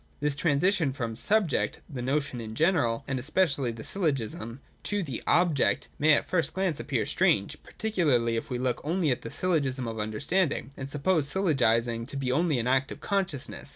This transition from the Subject, the notion in general, and especially the syllogism, to the Object, may, at the first glance, appear strange, particularly if we look only at the Syllogism of Understanding, and suppose syllo gising to be only an act of consciousness.